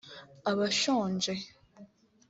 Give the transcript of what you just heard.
abashonje